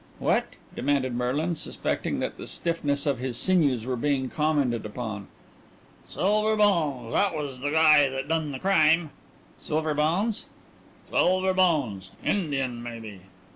"What?" demanded Merlin, suspecting that the stiffness of his sinews were being commented on. "Silver Bones. That was the guy that done the crime." "Silver Bones?" "Silver Bones. Indian, maybe."